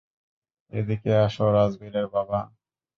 এদিকে আসো রাজবীরের বাবা।